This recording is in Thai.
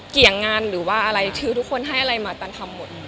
เกี่ยงงานรวรรดิทุกคนให้อะไรมาตานทำหมด